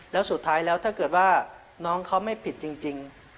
แล้วสุดท้ายแล้วถ้าเกิดว่าน้องเขาไม่ผิดจริง